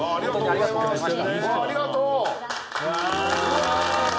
ありがとうございます。